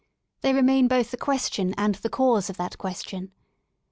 They remain both the "question" and the cause of that question.